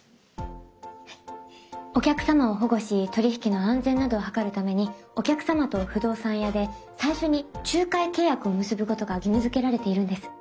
お客様を保護し取り引きの安全などを図るためにお客様と不動産屋で最初に仲介契約を結ぶことが義務付けられているんです。